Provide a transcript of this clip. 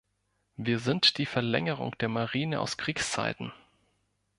Wir sind die Verlängerung der Marine aus Kriegszeiten.